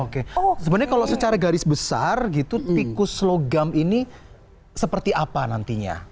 oke sebenarnya kalau secara garis besar gitu tikus logam ini seperti apa nantinya